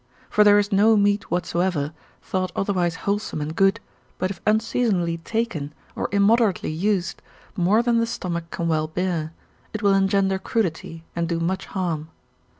For there is no meat whatsoever, though otherwise wholesome and good, but if unseasonably taken, or immoderately used, more than the stomach can well bear, it will engender crudity, and do much harm.